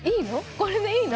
これでいいの？」